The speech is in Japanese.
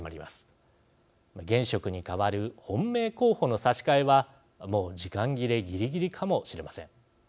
現職に代わる本命候補の差し替えはもう時間切れぎりぎりかもしれません。